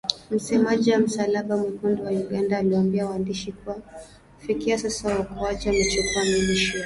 Msemaji wa Msalaba Mwekundu wa Uganda aliwaambia waandishi kuwa kufikia sasa waokoaji wamechukua miili ishirini na nne kutoka Mbale